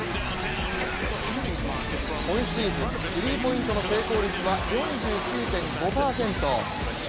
今シーズン、スリーポイントの成功率は４９．５％。